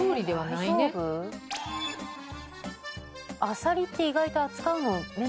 あさりって意外と扱うの面倒くさい。